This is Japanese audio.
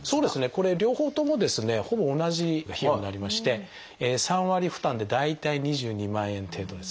これ両方ともですねほぼ同じ費用になりまして３割負担で大体２２万円程度です。